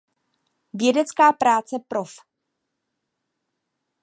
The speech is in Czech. Vědecká práce prof.